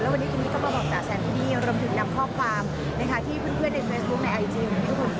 แล้ววันนี้ที่นี่ก็มาบอกจ๋าแซมที่นี่